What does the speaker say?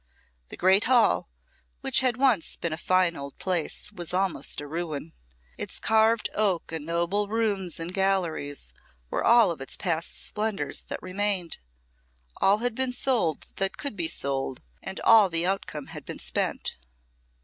The great Hall, which had once been a fine old place, was almost a ruin. Its carved oak and noble rooms and galleries were all of its past splendours that remained. All had been sold that could be sold, and all the outcome had been spent.